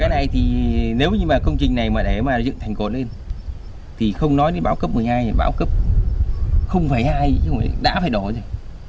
cái này thì nếu như mà công trình này mà để mà dựng thành cột lên thì không nói đến bão cấp một mươi hai thì bão cấp hai chứ không phải đá phải đỏ gì